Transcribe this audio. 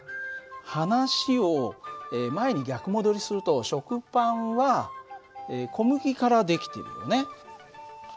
話を前に逆戻りすると食パンは小麦から出来てるよね。